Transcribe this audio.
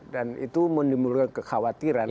dan itu menimbulkan kekhawatiran